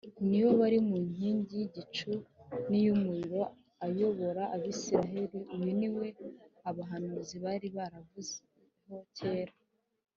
. Ni We wari mu nkingi y’igicu n’iy’umuriro ayobora Abisiraheli. Uyu ni We abahanuzi bari baravuzeho kera.